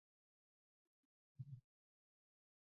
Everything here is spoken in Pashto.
دا رواني بې لارېتوب دی.